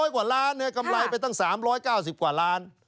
๓๐๐กว่าล้านเนี่ยกำไรตั้ง๓๙๐กว่าล้าน